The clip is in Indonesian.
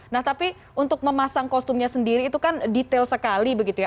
nah tapi untuk memasang kostumnya sendiri itu kan detail sekali begitu ya